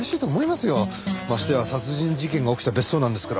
ましてや殺人事件が起きた別荘なんですから。